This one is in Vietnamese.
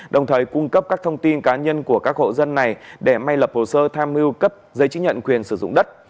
đồng thời cung cấp các thông tin cá nhân của các hộ dân này để may lập hồ sơ tham mưu cấp giấy chứng nhận quyền sử dụng đất